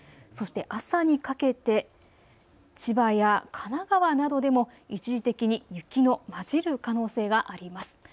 そして朝にかけて千葉や神奈川などでも一時的に雪の交じる可能性があります。